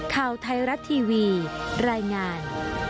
ข่าวไทยรัฐทีวีรายงาน